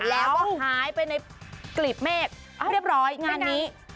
แล้วก็หายไปในกลีบเมฆเรียบร้อยงานนี้